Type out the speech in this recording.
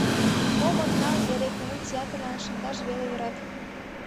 Мом от нал, эре кугу театрлан шындаш веле йӧрат.